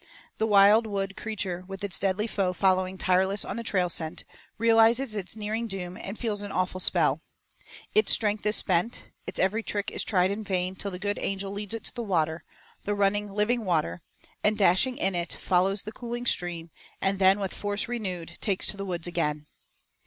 The wild wood creature with its deadly foe following tireless on the trail scent, realizes its nearing doom and feels an awful spell. Its strength is spent, its every trick is tried in vain till the good Angel leads it to the water, the running, living water, and dashing in it follows the cooling stream, and then with force renewed takes to the woods again.